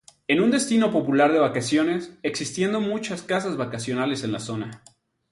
Es un destino popular de vacaciones, existiendo muchas casas vacacionales en la zona.